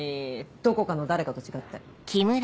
どこかの誰かと違って。